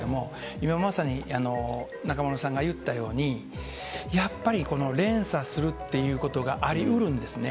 今、まさに中丸さんが言ったように、やっぱり連鎖するっていうことがありうるんですね。